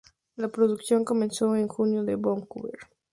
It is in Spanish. La producción comenzó en junio en Vancouver.